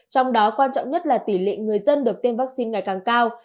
trong đó quan trọng nhất là tỷ lệ người dân được tiêm vaccine ngày càng cao